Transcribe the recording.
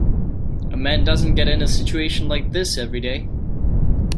A man doesn't get in a situation like this every day.